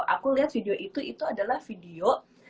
aku lihat video itu itu adalah video